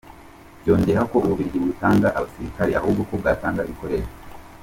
Yongeraho ko u Bubiligi butatanga abasirikare ahubwo ko bwatanga ibikoresho.